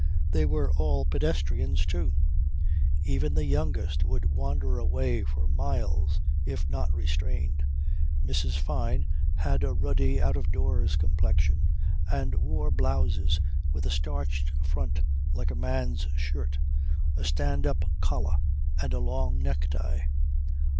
They were all pedestrians too. Even the youngest would wander away for miles if not restrained. Mrs. Fyne had a ruddy out of doors complexion and wore blouses with a starched front like a man's shirt, a stand up collar and a long necktie.